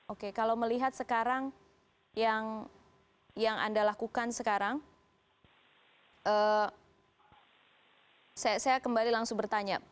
oke kalau melihat sekarang yang anda lakukan sekarang saya kembali langsung bertanya